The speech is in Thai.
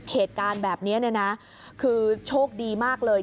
เหตุการณ์แบบนี้คือโชคดีมากเลย